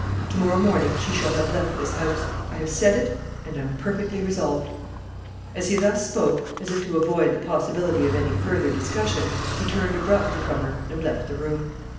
Tomorrow morning she shall have left this house. I have said it, and am perfectly resolved." As he thus spoke, as if to avoid the possibility of any further discussion, he turned abruptly from her, and left the room.